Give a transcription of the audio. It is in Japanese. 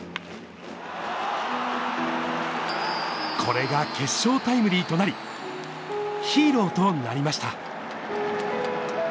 これが決勝タイムリーとなり、ヒーローとなりました。